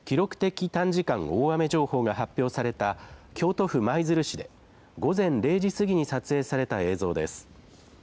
記録的短時間大雨情報が発表された京都府舞鶴市で午前０時過ぎに撮影された映像です。